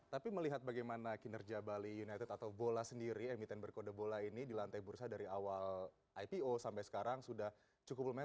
tapi melihat bagaimana kinerja bali united atau bola sendiri emiten berkode bola ini di lantai bursa dari awal ipo sampai sekarang sudah cukup lumayan